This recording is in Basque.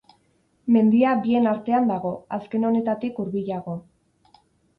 Mendia bien artean dago, azken honetatik hurbilago.